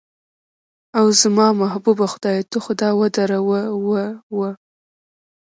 اوه، زما محبوب خدایه ته خو دا ودروه، اوه اوه اوه.